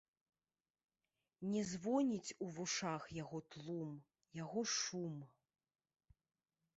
Не звоніць у вушах яго тлум, яго шум.